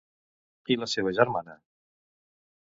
I la seva germana?